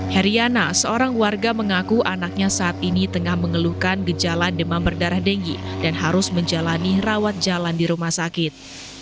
heriana seorang warga mengaku anaknya saat ini tengah mengeluhkan gejala demam berdarah dengi dan harus menjalani rawat jalan di rumah sakit